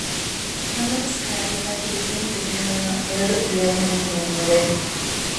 ނަމަވެސް ކައިރީގައި ތިބި ތިން ފިރިހެނުންނަށް އެއަޑު އިވޭ ހެނެއް ހިޔެއްނުވެ